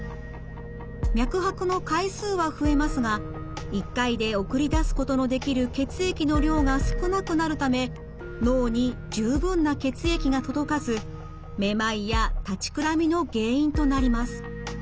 脈拍の回数は増えますが１回で送り出すことのできる血液の量が少なくなるため脳に十分な血液が届かずめまいや立ちくらみの原因となります。